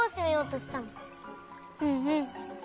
うんうん。